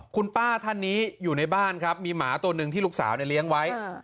คุณป้าท่านนี้อยู่ในบ้านครับมีหมาตัวหนึ่งที่ลูกสาวเลี้ยงไว้